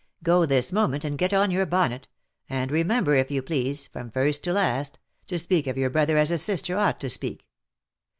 Go this moment, and get on your bonnet, and remember if you please, from first to last, to speak of your brother as a sister ought to speak.